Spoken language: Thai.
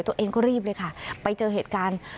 ตัวเองก็รีบเลยค่ะไปเจอเหตุการณ์